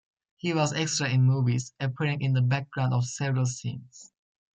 He was extra in movies, appearing in the background of several scenes.